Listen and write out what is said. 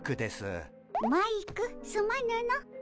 マイクすまぬの。